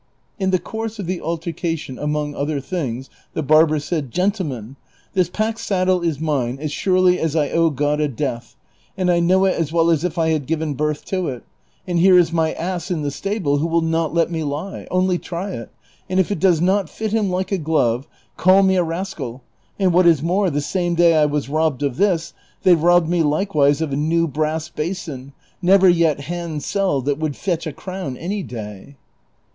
In the course of the altercation, among other things the barber said, " Gentlemen, this pack saddle is mine as surely as 1 OAve God a death, and I know it as Avell as if I had given birth to it, and here is my ass in tlie stable who will not let me lie ; only try it, and if it does not fit him like a glove, call me a rascal ; and what is more, the same day I was robbed of this, they robbed me likewise of a new brass basin, never yet hand selled, that would fetch a crown any day."